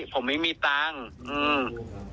ผมไม่มีตังค์อืม